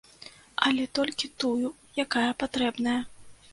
Але толькі тую, якая патрэбная.